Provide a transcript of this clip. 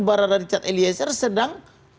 baradar chet eliezer sedang